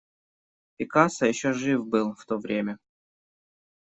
Пикассо еще жив был в то время!